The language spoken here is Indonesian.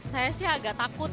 saya sih agak takut